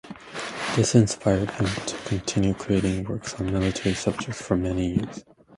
This inspired him to continue creating works on military subjects for many years.